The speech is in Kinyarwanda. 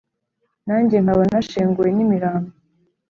nanjye nkaba nashenguwe n' imirambo,